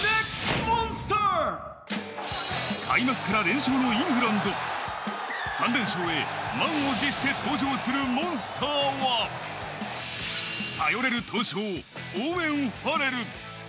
開幕から連勝のイングランド、３連勝で満を持して登場するモンスターは頼れる闘将、オーウェン・ファレル。